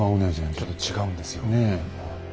ちょっと違うんですよ。